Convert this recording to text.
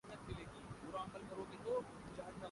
یوں گلگت بلتستان میں تحریک جعفریہ کی حکومت بن گئی